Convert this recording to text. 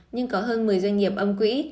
nhưng có hơn một mươi doanh nghiệp âm quỹ